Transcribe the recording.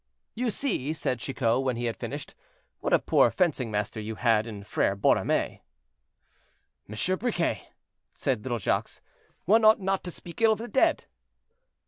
"You see," said Chicot, when he had finished, "what a poor fencing master you had in Frere Borromée." "Monsieur Briquet," said little Jacques, "one ought not to speak ill of the dead."